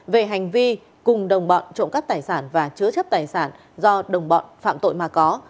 về hành vi cùng đồng bọn trộm cắp tài sản và chứa chấp tài sản do đồng bọn phạm tội mà có